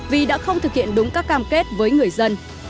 vì đã không thực hiện đúng các cam kết với người dân